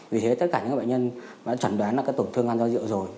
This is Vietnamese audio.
vì thế tất cả những bệnh nhân đã chuẩn đoán là tổn thương gan do rượu rồi